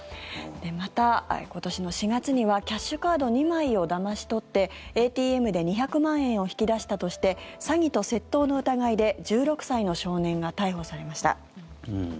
また、今年の４月にはキャッシュカード２枚をだまし取ってＡＴＭで２００万円を引き出したとして詐欺と窃盗の疑いで１６歳の少年が逮捕されました。